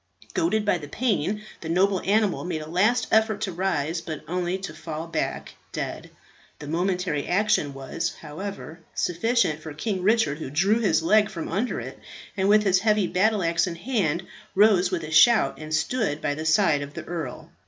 Goaded by the pain the noble animal made a last effort to rise, but only to fall back dead. The momentary action was, however, sufficient for King Richard, who drew his leg from under it, and with his heavy battle axe in hand, rose with a shout, and stood by the side of the earl.